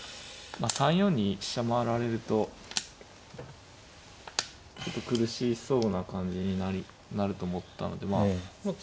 ３四に飛車回られるとちょっと苦しそうな感じになると思ったのでまあ。